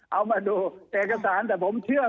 เอามาดูเอกสารแต่ผมเชื่อ